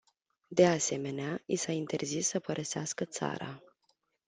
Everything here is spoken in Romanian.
De asemenea, i s-a interzis să părăsească țara.